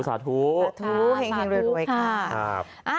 สาธุเฮงเร็วค่ะ